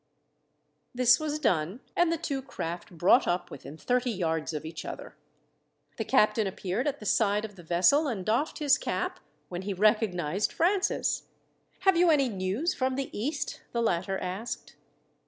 This was done, and the two craft brought up within thirty yards of each other. The captain appeared at the side of the vessel, and doffed his cap when he recognized Francis. "Have you any news from the East?" the latter asked.